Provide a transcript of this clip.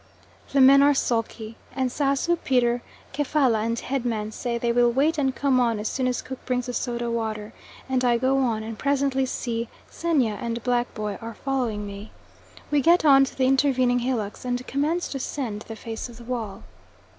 The men are sulky, and Sasu, Peter, Kefalla, and Head man say they will wait and come on as soon as cook brings the soda water, and I go on, and presently see Xenia and Black boy are following me. We get on to the intervening hillocks and commence to ascend the face of the wall.